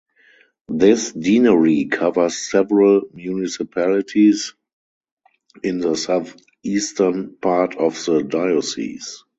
This deanery covers several municipalities in the southeastern part of the diocese.